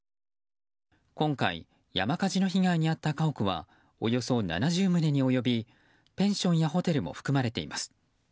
今回、山火事の被害に遭った家屋はおよそ７０棟に及びペンションやホテルも含まれています。